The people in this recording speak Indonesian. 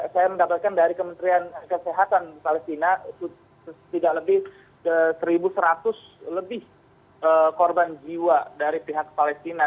saya mendapatkan dari kementerian kesehatan palestina tidak lebih satu seratus lebih korban jiwa dari pihak palestina